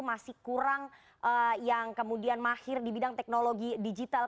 masih kurang yang kemudian mahir di bidang teknologi digital